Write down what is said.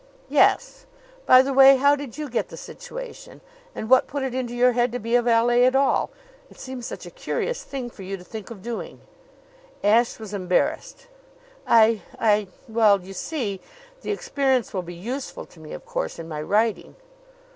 "Yes. By the way, how did you get the situation? And what put it into your head to be a valet at all? It seems such a curious thing for you to think of doing." Ashe was embarrassed. "I I well, you see, the experience will be useful to me, of course, in my writing."